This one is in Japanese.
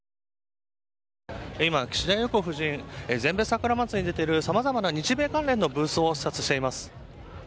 今、岸田裕子夫人、全米桜祭りに出てるさまざまな日米関連のブースを視察しています。